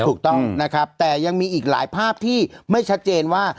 ถูกต้องนะครับแต่ยังมีอีกหลายภาพที่ไม่ชัดเจนว่า